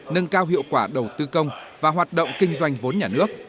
nâng cao hiệu quả đầu tư công và hoạt động kinh doanh vốn nhà nước